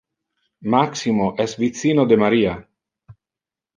Maximo es vicino de Maria.